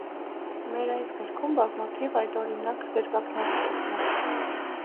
Մեր այս գրքում բազմաթիվ այդօրինակ դրվագներ կգտնեք։